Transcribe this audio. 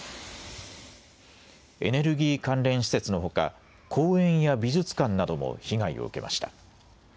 エネルギー関連施設のほか、公園や美術館なども被害を受けました。